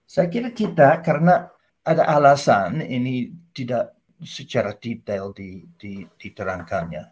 saya kira kita karena ada alasan ini tidak secara detail diterangkannya